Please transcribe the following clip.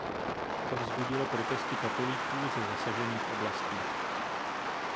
To vzbudilo protesty katolíků ze zasažených oblastí.